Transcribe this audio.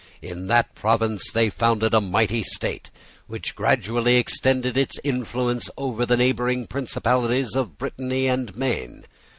In that province they founded a mighty state, which gradually extended its influence over the neighbouring principalities of Britanny and Maine.